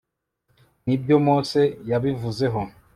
ni byo mose yabivuzeho